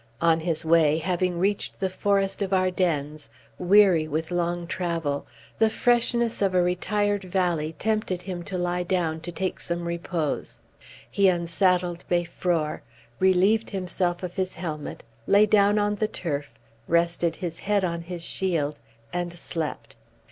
On his way, having reached the forest of Ardennes, weary with long travel, the freshness of a retired valley tempted him to lie down to take some repose. He unsaddled Beiffror, relieved himself of his helmet, lay down on the turf, rested his head on his shield, and slept.